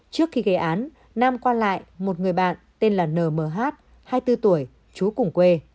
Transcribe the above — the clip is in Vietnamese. trước khi gây án nam qua lại một người bạn tên là nh hai mươi bốn tuổi chú cùng quê